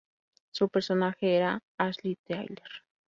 Su personaje era Ashley Tyler.